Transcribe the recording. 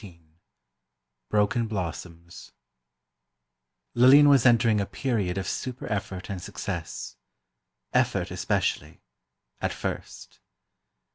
XIV "BROKEN BLOSSOMS" Lillian was entering a period of super effort and success. Effort, especially—at first.